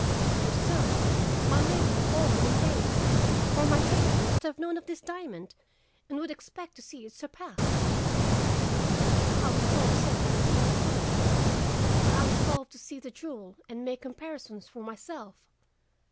If so, my labor had all been in vain, for my patron must have known of this diamond and would expect to see it surpassed. "I was so upset by this possibility that I resolved to see the jewel and make comparisons for myself.